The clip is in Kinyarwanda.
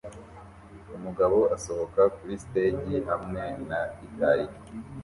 Umugabo asohoka kuri stage hamwe na gitari ye